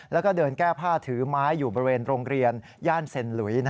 แล้วก็เดินแก้ผ้าถือไม้อยู่บริเวณโรงเรียนย่านเซ็นหลุย